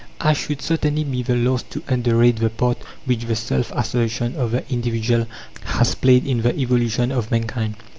I should certainly be the last to underrate the part which the self assertion of the individual has played in the evolution of mankind.